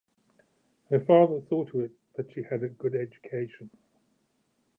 Her father saw to it that she had a good education.